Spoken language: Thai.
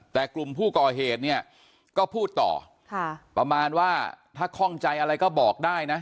แต่กลุ่มผู้ก่อเหตุเนี่ยก็พูดต่อประมาณว่าถ้าข้องใจอะไรก็บอกได้นะ